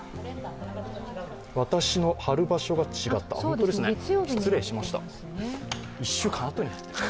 私の貼る場所が違った失礼しました。